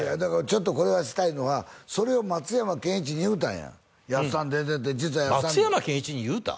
ちょっとこれはしたいのはそれを松山ケンイチに言うたんややっさん出てて実は「松山ケンイチに言うた」？